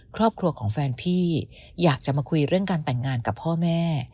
ครอบครัวของแฟนพี่อยากจะมาคุยเรื่องการแต่งงานกับพ่อแม่